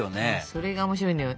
それが面白いのよ。